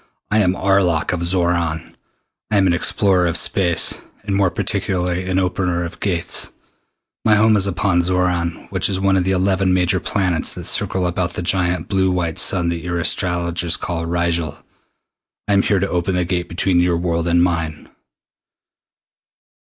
"I am Arlok of Xoran. I am an explorer of Space, and more particularly an Opener of Gates. My home is upon Xoran, which is one of the eleven major planets that circle about the giant blue white sun that your astronomers call Rigel. I am here to open the Gate between your world and mine."